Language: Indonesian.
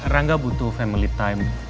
rangga butuh family time